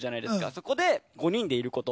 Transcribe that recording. そこで５人でいること。